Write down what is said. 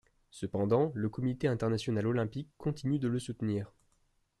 Cependant, le Comité international olympique continue de le soutenir.